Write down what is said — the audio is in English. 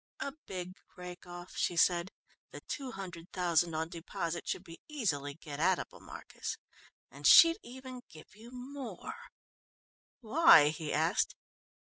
"A big rake off," she said. "The two hundred thousand on deposit should be easily get at able, Marcus, and she'd even give you more " "Why?" he asked.